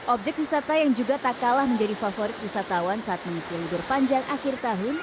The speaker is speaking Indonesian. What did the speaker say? objek wisata yang juga tak kalah menjadi favorit wisatawan saat mengisi libur panjang akhir tahun